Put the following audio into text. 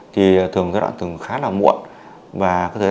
thì thường giai đoạn khá là muộn và thời gian xúc thêm thường không còn nhiều nữa